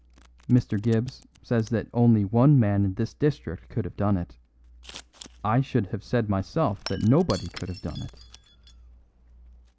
Mr. Gibbs says that only one man in this district could have done it. I should have said myself that nobody could have done it."